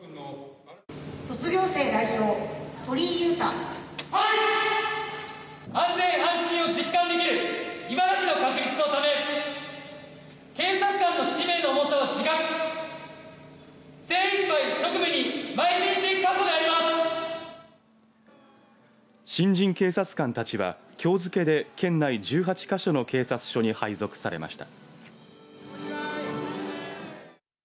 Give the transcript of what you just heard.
卒業生代表鳥居勇汰新人警察官たちはきょう付けで県内１８か所の警察署に配属されました。